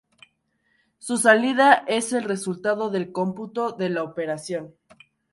Su salida es el resultado del cómputo de la operación.